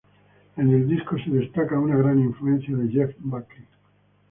En el disco se destaca una gran influencia de Jeff Buckley.